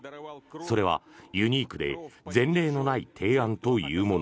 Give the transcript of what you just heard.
それはユニークで前例のない提案というもの。